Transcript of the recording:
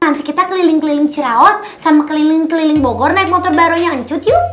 nanti kita keliling keliling ciraos sama keliling keliling bogor naik motor barunya hancur yuk